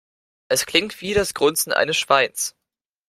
Es klingt wie das Grunzen eines Schweins.